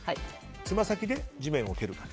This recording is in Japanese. つま先で地面を蹴る。